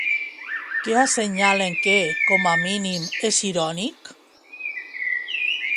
Què assenyalen que, com a mínim, és irònic?